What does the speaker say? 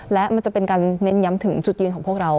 และมันจะเป็นการเน้นย้ำถึงจุดยืนของพวกเรา